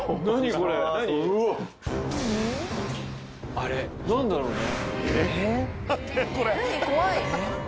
・あれ・何だろうね。